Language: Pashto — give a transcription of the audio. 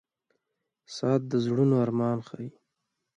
• ساعت د زړونو ارمان ښيي.